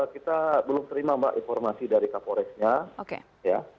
kita belum terima mbak informasi dari kapolresnya ya